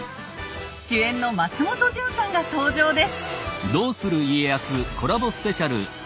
主演の松本潤さんが登場です。